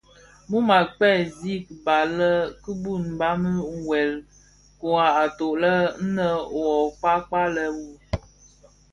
Mum a pèzi kiba le kibuň mdhami wuèl kurak atōg lè la nne wuo kpakpa lè u.